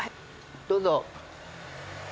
どうぞ。